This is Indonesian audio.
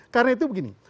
karena itu begini